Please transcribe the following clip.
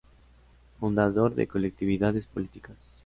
Fundador de colectividades políticas.